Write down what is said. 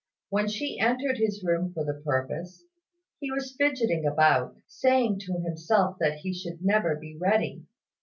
When she entered his room for the purpose, he was fidgeting about, saying to himself that he should never be ready.